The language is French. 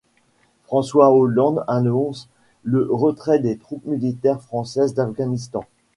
François Hollande annonce le retrait des troupes militaires françaises d'Afghanistan.